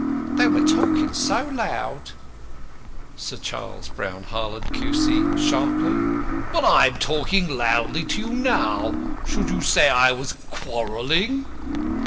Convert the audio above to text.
"They were talkin' so loud." Sir CHARLES BROWN HARLAND, Q.C. (sharply): "But I'm talking loudly to you now. Should you say I was quarrelling?"